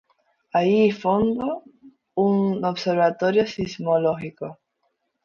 Allí fundó un observatorio sismológico.